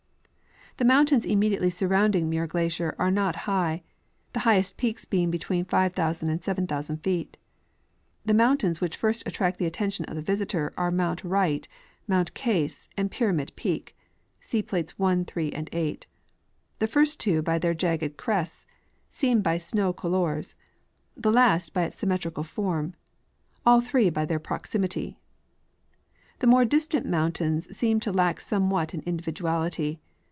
The mountains immediately surrounding Muir glacier are not high, the highest peaks being between 5,000 and 7,000 feet. The mountains which first attract the attention of the visitor are mount Wright,* mount Case,t and Pyramid peak (see plates 1, 3 and 8) — the first two by their jagged crests, seamed by snow corloirs ; the last by its symmetrical form ; all three by their proximity. The more distant mountains seem to lack somewhat in individuality.